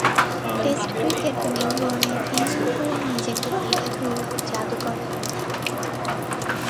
Test cricket মেলবোর্নে তিন দিন ধরে নিজেকে মেলে ধরল জাদুকরের মতো।